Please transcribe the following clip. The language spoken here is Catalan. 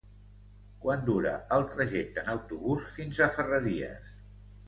Quant dura el trajecte en autobús fins a Ferreries?